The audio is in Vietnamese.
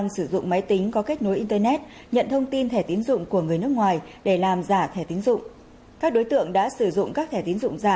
xin chào tỉnh hương yên